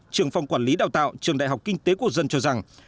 trường phòng quản lý đào tạo trường đại học kinh tế của dân cho rằng